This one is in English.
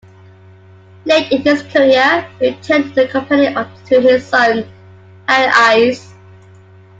Late in his career, he turned the company over to his son, Harry Ives.